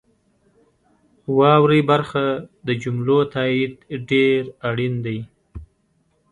واورئ برخه د جملو تایید ډیر اړین دی.